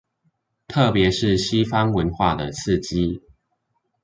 特別是西方文化的刺激